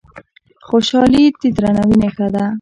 خوشالي د درناوي نښه ده.